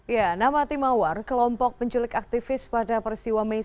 ya nama tim mawar kelompok penculik aktivis pada peristiwa mei sembilan puluh delapan